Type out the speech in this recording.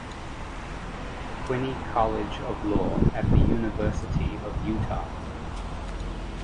Quinney College of Law at the University of Utah.